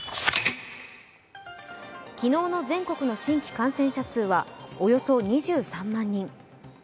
昨日の全国の新規感染者数はおよそ２３万人。